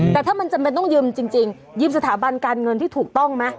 แต่ถ้ามันจำเป็นต้องยืมจริงยืมสถาบันการเงินที่ถูกต้องไหม